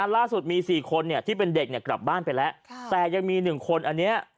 ล่าสุดมี๔คนที่เป็นเด็กกลับบ้านไปแล้วแต่ยังมี๑คนอันนี้